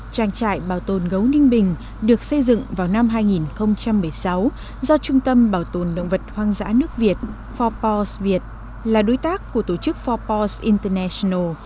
trang trại bảo tồn gấu ninh bình được xây dựng vào năm hai nghìn một mươi sáu do trung tâm bảo tồn động vật hoang dã nước việt là đối tác của tổ chức four paws international